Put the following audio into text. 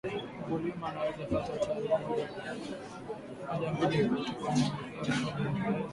mkulima anaweza pata tani mojambili kautoka kwenywe hekari moja ya viazi